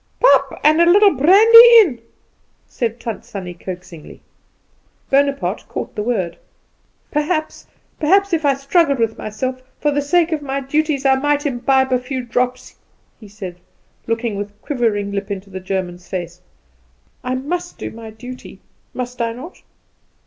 "Pap, and a little brandy in," said Tant Sannie coaxingly. Bonaparte caught the word. "Perhaps, perhaps if I struggled with myself for the sake of my duties I might imbibe a few drops," he said, looking with quivering lip up into the German's face. "I must do my duty, must I not?"